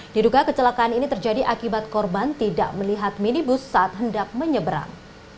diduga kecelakaan ini terjadi akibat korban tidak melihat minibus saat hendak menyeberang